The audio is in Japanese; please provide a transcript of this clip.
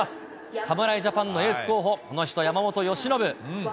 侍ジャパンのエース候補、この人、山本由伸。